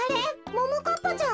ももかっぱちゃん？